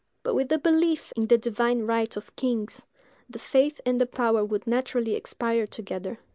But, with the belief in the divine right of kings, the faith and the power would naturally expire together.